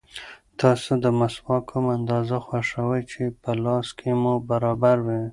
تاسو د مسواک کومه اندازه خوښوئ چې په لاس کې مو برابر وي؟